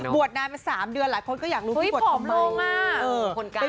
บวชนายมา๓เดือนหลายคนอยากรู้ว่าเกร่าทำไม